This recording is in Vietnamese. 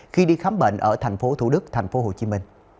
khi đi khám bệnh ở tp thủ đức tp hcm